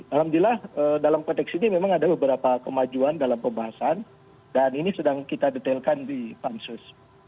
alhamdulillah dalam konteks ini memang ada beberapa kemajuan dalam pembahasan dan ini sedang kita detailkan di pansus